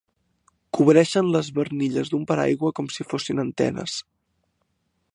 Cobreixen les barnilles d'un paraigua com si fossin antenes.